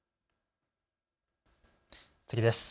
次です。